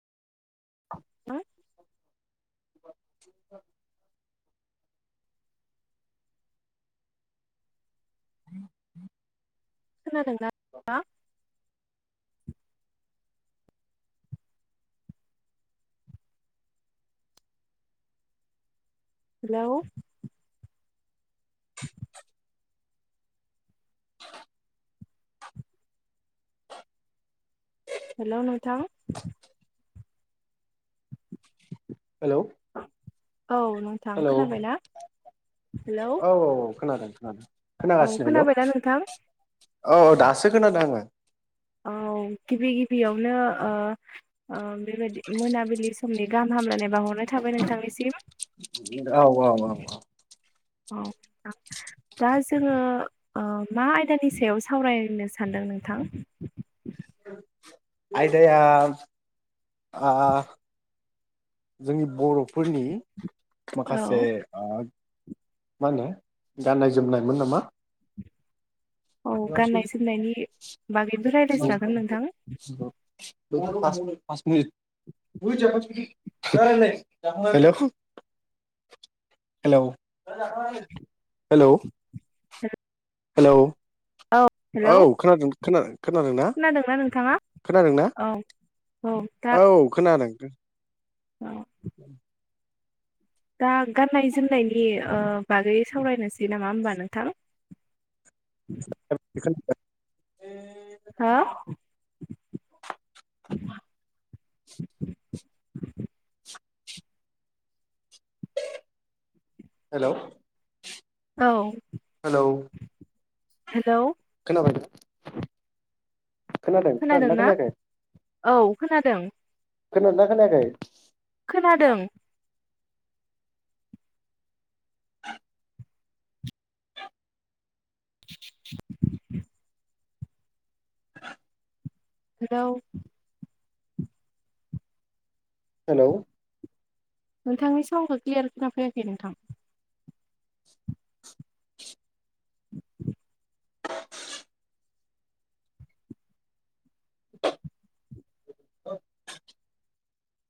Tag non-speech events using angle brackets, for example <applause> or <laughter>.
<unintelligible> <unintelligible> खोनादों ना? Hello! <unintelligible> Hello नोंथां! हेलौ! औ नोंथां हेलौ खोनाबाय ना? औ औ खोनादों खोनादों औ खोनागासिनो, हेलौ। खोनाबायना नोंथां? औ औ दासो खोनादों आङो। औ गिबि गिबियावनो ओ अ बेबायदि मोनाबिलि समनि गाहाम हामलायनाय बाहरनाय थाबाय नोंथांनिसिम औ औ औ औ औ दा जोङो ओ मा आयदानि सायाव सावरायनो सानदों नोंथां? आयदाआ आ जोंनि बर'फोरनि औ माखासे आ मा होनो गाननाय जोमनायमोन नामा? औ गाननाय जोमनायनि बागैबो राइलायजागोन नोंथां। <unintelligible> हेलौ हेलौ हेलौ औ हेलौ औ खोनादों खोना खोनादोंना? खोनादोंना औ औ दा औ खोनादों। <unintelligible> उ <inaudible> दा गाननाय जोमनायनि ओ बागै सावरायनोसै नामा होमबा नोंथां? <unintelligible> हो! हेलौ। औ हेलौ हेलौ! खोनाबायदा? खोनादोंना खोनायाखै औ खोनादों? खोनादोंना खोनायाखै? खोनादों <inaudible> <inaudible> <inaudible> हेलौ हेलौ नोंथांनि सावनखौ क्लियार खोना फैयाखै नोंथां। <inaudible> <inaudible>